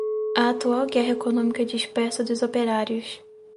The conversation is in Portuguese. a atual guerra econômica dispersa dos operários